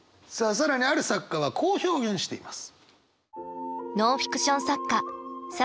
更にある作家はこう表現しています。